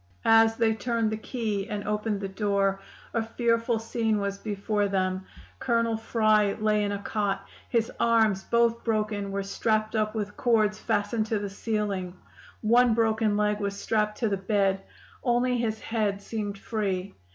"As they turned the key and opened the door a fearful scene was before them. Colonel Fry lay in a cot: his arms, both broken, were strapped up with cords fastened to the ceiling; one broken leg was strapped to the bed; only his head seemed free.